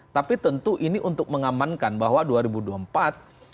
tapi tentu ini untuk mengamankan bahwa dua ribu dua puluh satu ini akan menjadi partai politik baru